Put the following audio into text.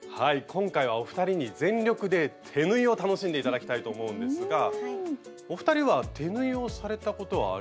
今回はお二人に全力で手縫いを楽しんでいただきたいと思うんですがお二人は手縫いをされたことはありますか？